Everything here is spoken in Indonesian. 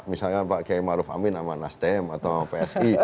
misalnya pak kiai maruf amin sama nasdem atau psi